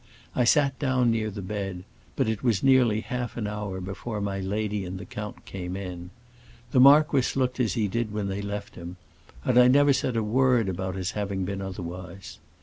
I sat down near the bed, but it was nearly half an hour before my lady and the count came in. The marquis looked as he did when they left him, and I never said a word about his having been otherwise.